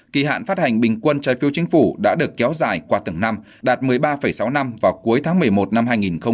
kỳ hạn phát hành bình quân trái phiếu chính phủ đã được kéo dài qua từng năm đạt một mươi ba sáu năm vào cuối tháng một mươi một năm hai nghìn hai mươi